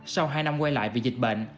sau hai năm quay lại vì dịch bệnh